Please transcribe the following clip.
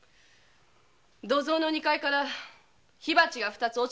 土蔵の二階から火鉢が二つ落ちてきました。